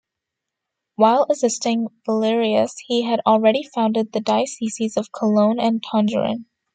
While assisting Valerius, he had already founded the dioceses of Cologne and Tongeren.